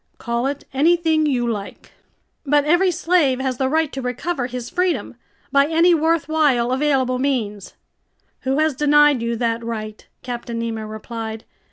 "Call it anything you like." "But every slave has the right to recover his freedom! By any worthwhile, available means!" "Who has denied you that right?" Captain Nemo replied.